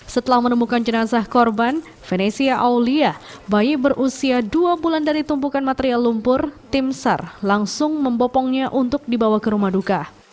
setelah menemukan jenazah korban venesia aulia bayi berusia dua bulan dari tumpukan material lumpur tim sar langsung membopongnya untuk dibawa ke rumah duka